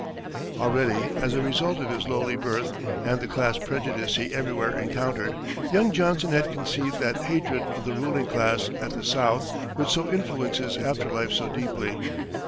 Already, as a result of his lowly birth and the class prejudice he everywhere encountered, young Johnson had conceived that hatred of the ruling class at the South which was to influence his after life so deeply.